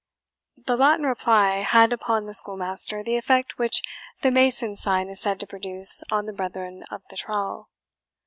The Latin reply had upon the schoolmaster the effect which the mason's sign is said to produce on the brethren of the trowel.